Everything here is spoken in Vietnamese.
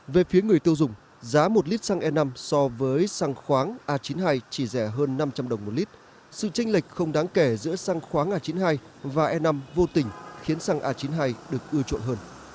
về phía người tiêu dùng giá một lít xăng e năm so với xăng khoáng a chín mươi hai chỉ rẻ hơn năm trăm linh đồng một lít sự tranh lệch không đáng kể giữa xăng khoáng a chín mươi hai và e năm vô tình khiến xăng a chín mươi hai được ưa chuộng hơn